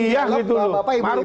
orang indonesia sudah sampai ujung